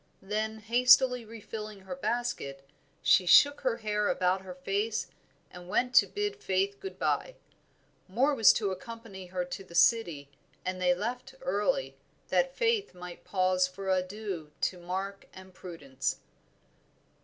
Then hastily refilling her basket, she shook her hair about her face and went to bid Faith good by. Moor was to accompany her to the city, and they left early, that Faith might pause for adieux to Mark and Prudence.